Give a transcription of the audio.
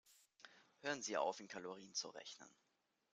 Hören Sie auf, in Kalorien zu rechnen.